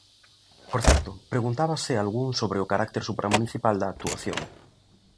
Por certo, preguntábase algún sobre o carácter supramunicipal da actuación.